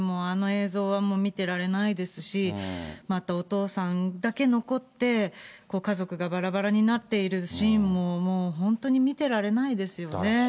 あの映像はもう、見てられないですし、またお父さんだけ残って、家族がばらばらになっているシーンも、もう本当に見てられないですよね。